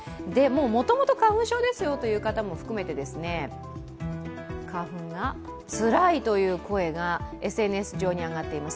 もともと花粉症ですよという方も含めて花粉がつらいという声がＳＮＳ上に上がっています。